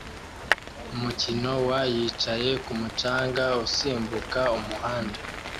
Umukino wa yicaye kumu canga usimbuka umuhanda